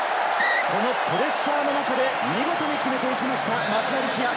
このプレッシャーの中で見事に決めていきました、松田力也。